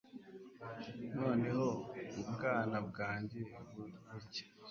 Noneho mu bwana bwanjye bucya